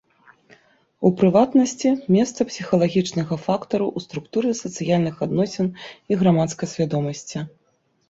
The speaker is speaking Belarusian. У прыватнасці, месца псіхалагічнага фактару ў структуры сацыяльных адносін і грамадскай свядомасці.